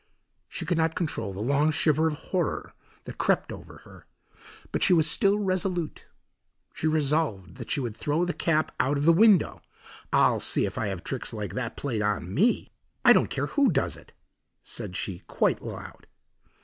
She could not control the long shiver of horror that crept over her, but she was still resolute. She resolved that she would throw the cap out of the window. "I'll see if I have tricks like that played on me, I don't care who does it," said she quite aloud.